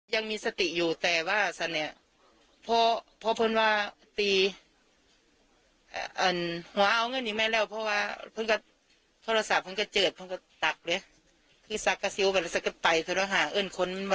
ยังมีสติอยู่แต่ว่าฉันเนี้ยพอเพิ่งว่าตี